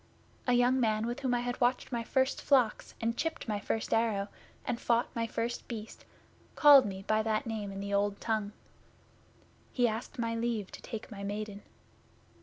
A young man with whom I had watched my first flocks, and chipped my first arrow, and fought my first Beast, called me by that name in the Old Tongue. He asked my leave to take my Maiden.